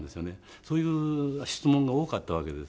そういう質問が多かったわけです。